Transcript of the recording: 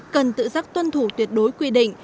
cần tự giác tuân thủ tuyệt đối quy định